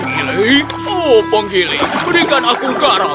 penggiling oh penggiling berikan aku garam